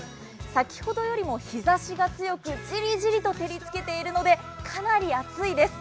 先ほどよりも日ざしが強くじりじりと照りつけているのでかなり暑いです。